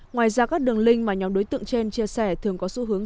ngoài ra các đường link mà nhóm đối tượng trên chia sẻ thường có xu hướng